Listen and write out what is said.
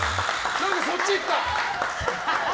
何でそっち行った！